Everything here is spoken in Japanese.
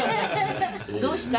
どうした？